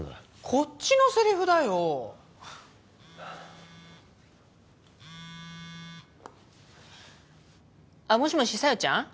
こっちのセリフだよあっもしもし小夜ちゃん？